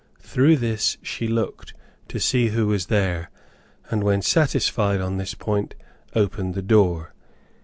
Through this she looked, to see who was there, and when satisfied on this point, opened the door.